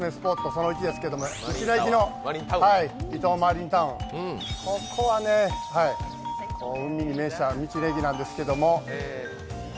その１ですけれども伊東マリンタウン、ここは海に面した道の駅なんですけど。